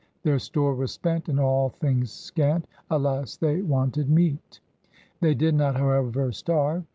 Their store was spent and all things scant, Alas! they wanted meate. They did not, however, starve.